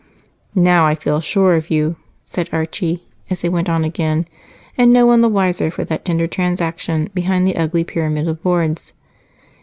"Now I feel sure of you," said Archie as they went on again, and no one the wiser for that tender transaction behind the ugly pyramid of boards.